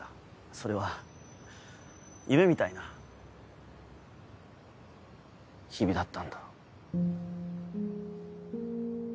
それは夢みたいな日々だったんだ。